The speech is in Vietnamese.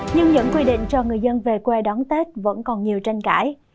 nhưng những quy định cho người dân về quê đón tết vẫn còn nhiều tranh cãi